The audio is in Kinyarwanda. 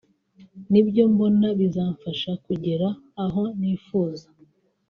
nibyo mbona bizamfasha kugera kugera aho nifuza